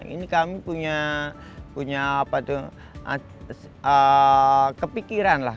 ini kami punya kepikiran lah